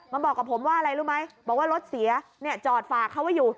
บอกกับผมว่าอะไรรู้ไหมบอกว่ารถเสียเนี่ยจอดฝากเขาไว้อยู่